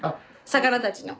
魚たちの。